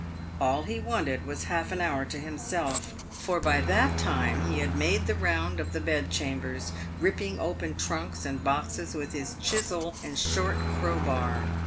All he wanted was half an hour to himself, for by that time he had made the round of the bed chambers, ripping open trunks and boxes with his chisel and short crowbar.